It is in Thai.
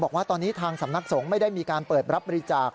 บอกว่าตอนนี้ทางสำนักสงฆ์ไม่ได้มีการเปิดรับบริจาค